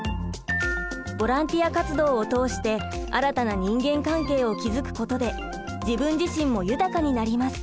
ボランティア活動を通して新たな人間関係を築くことで自分自身も豊かになります。